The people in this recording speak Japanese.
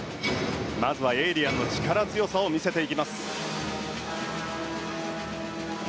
まずはエイリアンの力強さを見せていきます。